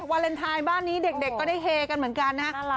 วาเลนไทยบ้านนี้เด็กก็ได้เฮกันเหมือนกันนะ